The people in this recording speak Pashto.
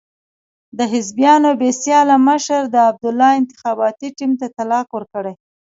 د حزبیانو بې سیاله مشر د عبدالله انتخاباتي ټیم ته طلاق ورکړی.